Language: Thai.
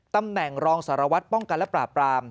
ตำแหน่งรองสารวัตรป้องกันและปราบราม